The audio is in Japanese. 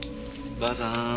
ばあさん。